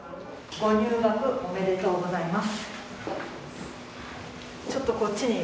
ご入学おめでとうございます。